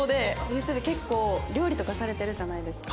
ＹｏｕＴｕｂｅで結構料理とかされてるじゃないですか。